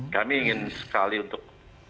kami ingin sekali untuk